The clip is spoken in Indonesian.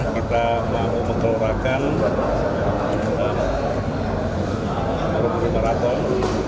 kita mau mengelorkan borobudur marathon